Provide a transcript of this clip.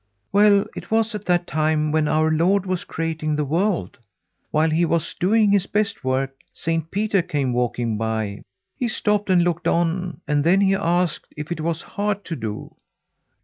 "Well, it was at that time when our Lord was creating the world. While he was doing his best work, Saint Peter came walking by. He stopped and looked on, and then he asked if it was hard to do.